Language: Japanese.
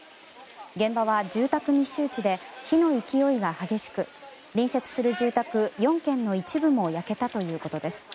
現場は住宅密集地で火の勢いが激しく隣接する住宅４軒の一部も焼けたということです。